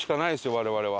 我々は。